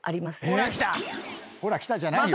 「ほらっきた」じゃないよ。